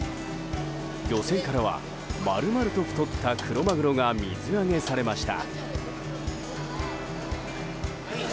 漁船からは丸々と太ったクロマグロが水揚げされました。